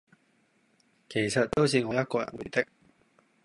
其實都是我一個人回的